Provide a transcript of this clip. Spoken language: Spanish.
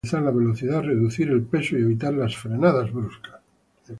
Esto ayuda a maximizar la velocidad, reducir el peso y evitar las frenadas bruscas.